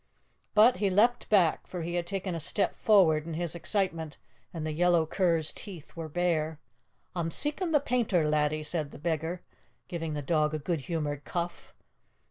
But he leaped back, for he had taken a step forward in his excitement, and the yellow cur's teeth were bare. "A'm seekin' the painter laddie," said the beggar, giving the dog a good humoured cuff.